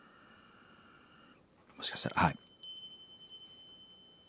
もしかしたらあっ。